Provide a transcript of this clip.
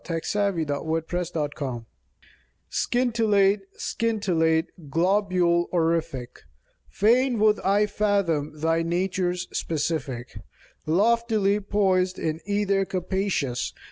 C/iflffiaiim. THE LITTLE STAR Scintillate, scintillate, globule orific. Fain would I fathom thy nature's specific Loftily poised in ether capacious.